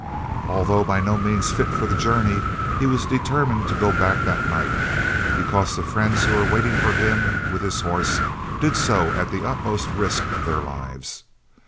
Although by no means fit for the journey, he was determined to go back that night, because the friends who were waiting for him with his horse did so at the utmost risk of their lives.